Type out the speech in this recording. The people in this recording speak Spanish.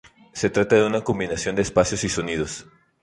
Se trata de una combinación de espacios y sonidos.